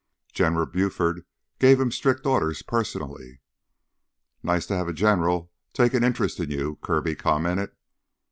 "General Buford gave him strict orders personally " "Nice to have a general take an interest in you," Kirby commented.